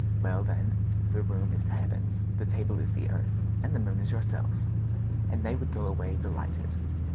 Well, then, the room is the heavens, the table is the earth, and the moon is yourself." And they would go away delighted.